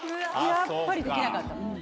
やっぱりできなかった。